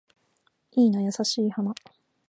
いいな優しい花